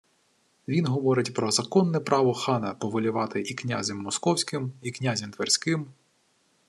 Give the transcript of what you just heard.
Він говорить про законне право хана повелівати і князем Московським, і князем Тверським